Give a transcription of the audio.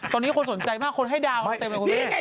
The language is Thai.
ตอนนี้คนสนใจมากคนให้ดาวมาเต็มเลยคุณแม่